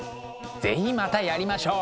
是非またやりましょう！